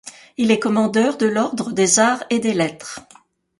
Il est commandeur de l'Ordre des Arts et des Lettres.